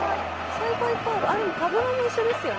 栽培カードあっでも株間も一緒ですよね。